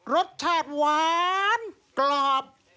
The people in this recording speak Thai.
รสชาติหวานกรอบ